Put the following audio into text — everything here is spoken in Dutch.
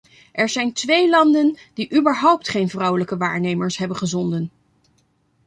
Er zijn twee landen die überhaupt geen vrouwelijke waarnemers hebben gezonden.